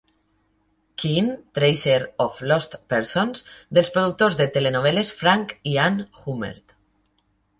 Keen, Tracer of Lost Persons, dels productors de telenovel·les Frank i Anne Hummert.